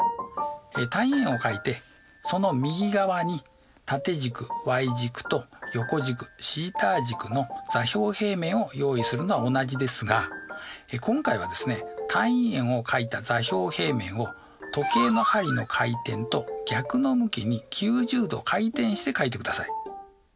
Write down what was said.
単位円をかいてその右側に縦軸ｙ軸と横軸θ軸の座標平面を用意するのは同じですが今回はですね単位円をかいた座標平面を時計の針の回転と逆の向きに９０°回転してかいてください。